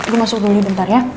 gue masuk dulu sebentar ya